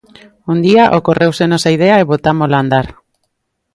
Un día ocorréusenos a idea e botámola a andar.